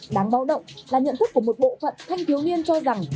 đáng báo động là nhận thức của một bộ phận thanh thiếu nguyên cho rằng